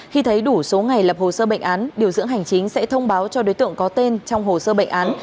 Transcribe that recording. khi thấy đủ số ngày lập hồ sơ bệnh án điều dưỡng hành chính sẽ thông báo cho đối tượng có tên trong hồ sơ bệnh án